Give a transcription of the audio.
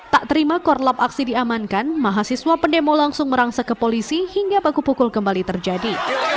tak terima korlap aksi diamankan mahasiswa pendemo langsung merangsa ke polisi hingga baku pukul kembali terjadi